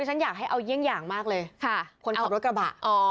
ชั้นอยากให้เอาเงียงมากเลยคุณดรอขับรถกระบะ